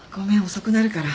遅くなるから。